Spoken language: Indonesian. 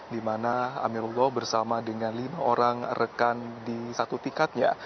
di mana amirullah bersama dengan lima orang rekan di satu tiketnya